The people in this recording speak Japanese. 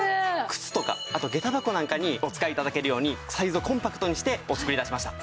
靴とかあとげた箱なんかにお使い頂けるようにサイズをコンパクトにしてお作り致しました。